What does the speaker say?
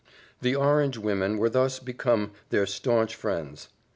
The orange women were thus become their staunch friends.